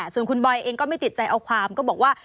ส่วนคุณบอยเองก็ไม่ติดใจเอาความก็บอกว่า